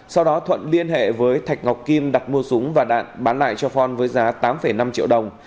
sau đó thuận liên hệ với thạch ngọc kim đặt mua súng và đạn bán lại cho phong với giá tám năm triệu đồng